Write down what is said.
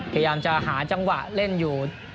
พยายามจะหาจังหวะเล่นอยู่